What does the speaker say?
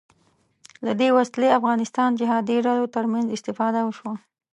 له دې وسلې افغانستان جهادي ډلو تر منځ استفاده وشوه